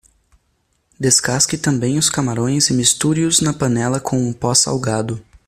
Descasque também os camarões e misture-os na panela com um pó salgado.